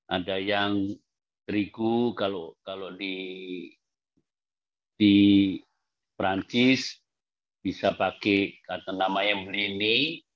ada yang terigu kalau di perancis bisa pakai kata nama emble ini